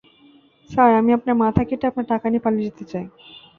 Sir, আমি আপনার মাথা কেটে আপনার টাকা নিয়ে পালিয়ে যেতে চাই।